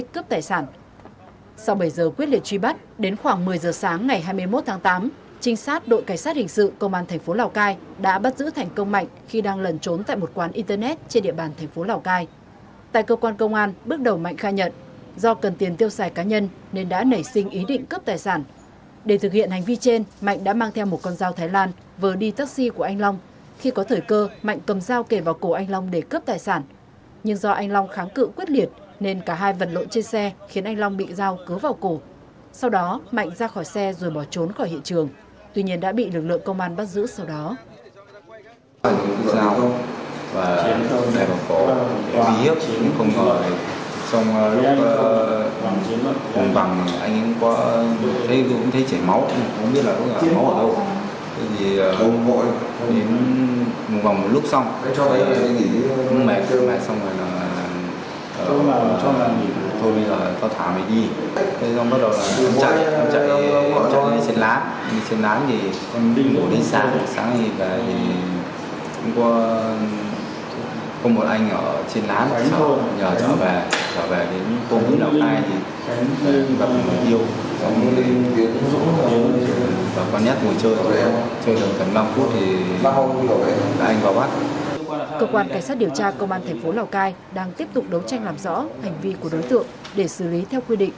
cơ quan cảnh sát điều tra công an thành phố lào cai đang tiếp tục đấu tranh làm rõ hành vi của đối tượng để xử lý theo quy định của pháp luật